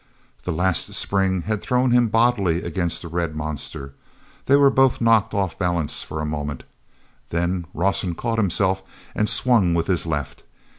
That last spring had thrown him bodily against the red monster. They were both knocked off balance for a moment, then Rawson caught himself and swung with his left.